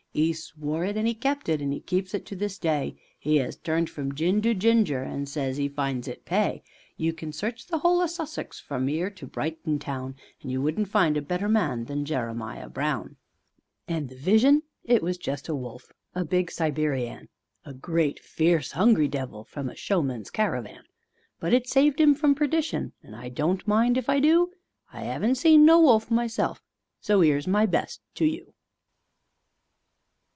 'E swore it and 'e kept it and 'e keeps it to this day, 'E 'as turned from gin to ginger and says 'e finds it pay, You can search the whole o' Sussex from 'ere to Brighton Town, And you wouldn't find a better man than Jeremiah Brown. And the vision it was just a wolf, a big Siberian, A great, fierce, 'ungry devil from a show man's caravan, But it saved 'im from perdition and I don't mind if I do, I 'aven't seen no wolf myself so 'ere's my best to you!